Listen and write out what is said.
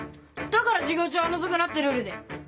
だから授業中はのぞくなってルールで。